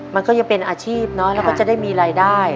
มันก็ยังเป็นอาชีพเนอะแล้วก็จะได้มีรายได้